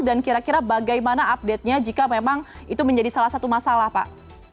dan kira kira bagaimana update nya jika memang itu menjadi salah satu masalah pak